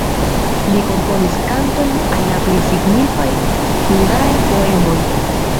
Li komponis kantojn al la plej signifaj hungaraj poemoj.